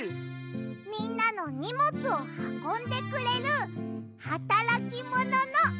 みんなのにもつをはこんでくれるはたらきもののクシャさん！